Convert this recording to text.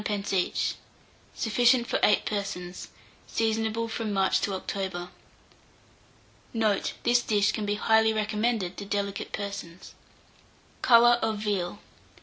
each. Sufficient for 8 persons. Seasonable from March to October. Note. This dish can be highly recommended to delicate persons. COLOUR OF VEAL.